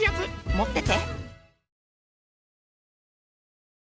持ってて。